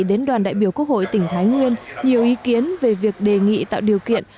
đến đoàn đại biểu quốc hội tỉnh thái nguyên nhiều ý kiến về việc đề nghị tạo điều kiện